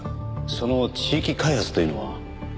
その地域開発というのは？